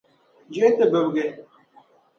yiɣi ti bibigi.